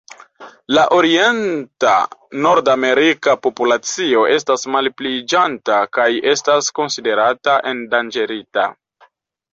La orienta nordamerika populacio estas malpliiĝanta kaj estas konsiderata endanĝerita.